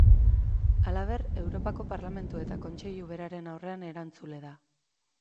Halaber, Europako Parlamentu eta Kontseilu beraren aurrean erantzule da.